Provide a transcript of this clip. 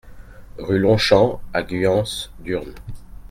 Rue Longchamps à Guyans-Durnes